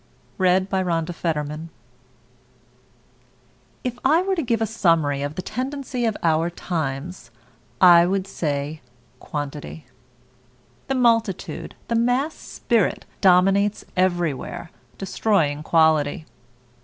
MINORITIES VERSUS MAJORITIES If I were to give a summary of the tendency of our times, I would say, Quantity. The multitude, the mass spirit, dominates everywhere, destroying quality.